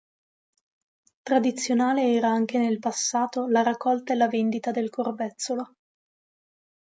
Tradizionale era anche nel passato la raccolta e la vendita del corbezzolo.